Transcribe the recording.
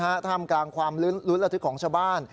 ถ้าทำการความรู้ละทึกของชาวบ้าน